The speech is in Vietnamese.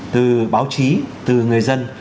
từ báo chí từ người dân